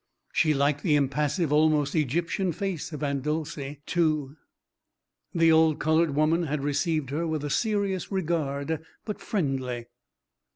She liked the impassive almost Egyptian face of Aunt Dolcey, too. The old coloured woman had received her with a serious regard but friendly.